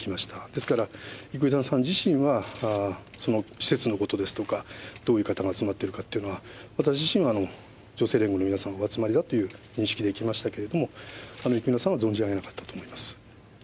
ですから、生稲さん自身は、その施設のことですとか、どういう方が集まっているかというのは、私自身は、女性連合の皆さんがお集まりだという認識で行きましたけれども、生稲さんは存じ上げなかったと思います。